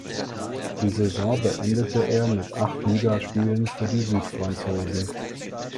Die Saison beendete er mit acht Ligaspielen für die Südfranzosen.